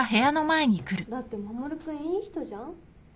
・だって守君いい人じゃん。